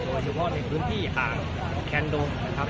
โดยเฉพาะในพื้นที่อ่างแคนดงนะครับ